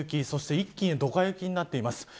そして一気にドカ雪になっています。